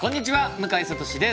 向井慧です。